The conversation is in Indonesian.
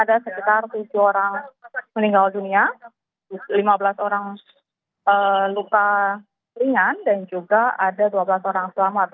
ada sekitar tujuh orang meninggal dunia lima belas orang luka ringan dan juga ada dua belas orang selamat